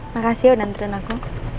makasih udah nantarin aku